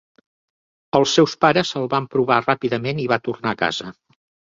Els seus pares el van trobar ràpidament i va tornar a casa.